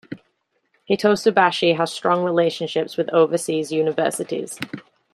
Hitotsubashi has strong relationships with overseas universities.